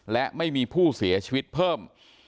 และไม่มีผู้เสียชีวิตเพิ่ม